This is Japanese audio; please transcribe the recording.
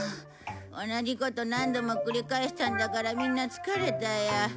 同じこと何度も繰り返したんだからみんな疲れたよ。